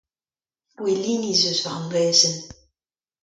Gouelini ez eus war an draezhenn.